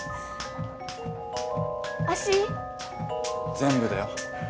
全部だよ。